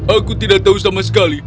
aku tidak tahu sama sekali